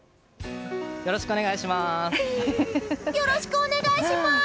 よろしくお願いします。